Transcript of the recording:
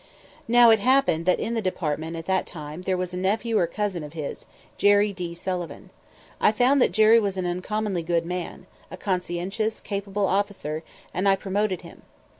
Now it happened that in the Department at that time there was a nephew or cousin of his, Jerry D. Sullivan. I found that Jerry was an uncommonly good man, a conscientious, capable officer, and I promoted him.